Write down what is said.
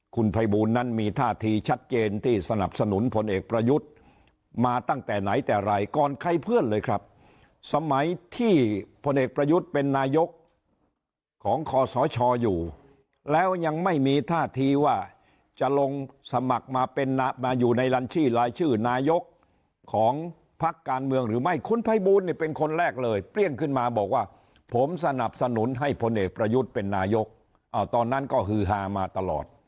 คุณภัยบูรณ์นั้นมีท่าทีชัดเจนที่สนับสนุนผลเอกประยุทธ์มาตั้งแต่ไหนแต่ไรก่อนใครเพื่อนเลยครับสมัยที่ผลเอกประยุทธ์เป็นนายกของขอสชอยู่แล้วยังไม่มีท่าทีว่าจะลงสมัครมาเป็นมาอยู่ในรันชีหลายชื่อนายกของภักดิ์การเมืองหรือไม่คุณภัยบูรณ์เป็นคนแรกเลยเปรี้ยงขึ้นมาบอกว่าผมสนับสนุนให้ผล